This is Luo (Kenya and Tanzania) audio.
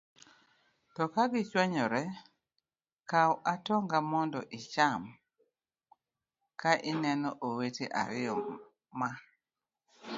To ka gichwanyore, kaw atonga mondo icham. Ka ineno owete ariyo ma